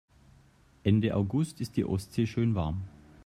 Ende August ist die Ostsee schön warm.